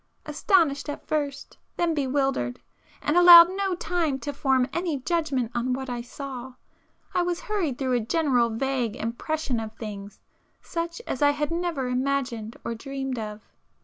Astonished at first, then bewildered, and allowed no time to form any judgment on what I saw, I was hurried through a general vague 'impression' of things such as I had never imagined or dreamed of.